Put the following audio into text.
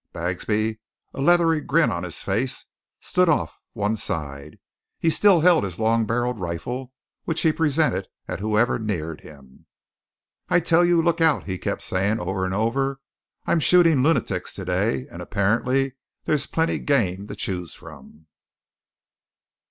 Bagsby, a leathery grin on his face, stood off one side. He still held his long barrelled rifle, which he presented at whoever neared him. "I tell you, look out!" he kept saying over and over. "I'm shootin' lunatics to day; and apparently there's plenty game to choose from."